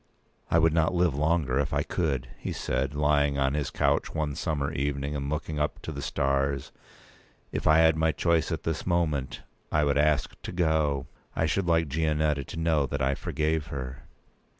"I would not live longer, if I could," he said, lying on his couch one summer evening, and looking up to the stars. "If I had my choice at this moment, I would ask to go. I should like Gianetta to know that I forgave her."